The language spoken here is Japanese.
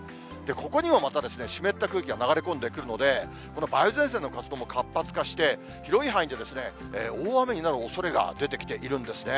ここにもまた湿った空気が流れ込んでくるので、この梅雨前線の活動も活発化して、広い範囲で大雨になるおそれが出てきているんですね。